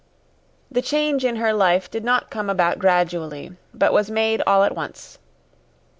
The change in her life did not come about gradually, but was made all at once.